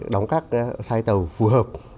đóng các site tàu phù hợp